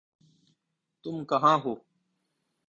تم کہاں ہو؟